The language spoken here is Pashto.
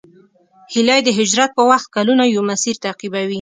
هیلۍ د هجرت په وخت کلونه یو مسیر تعقیبوي